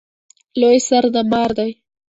لوی سر د مار دی